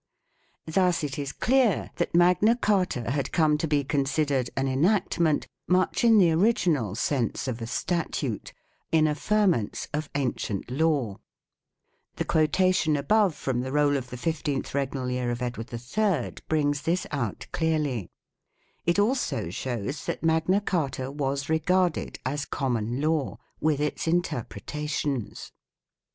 2 Thus it is clear that Magna Carta had come to be considered an enactment much in the original sense of a statute : in affirmance of ancient law. The quota tion above from the roll of 15 Edward III brings this out clearly. 3 It also shows that Magna Carta was regarded as common law, with its interpretations.